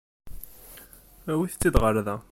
Awit-tt-id ɣer da.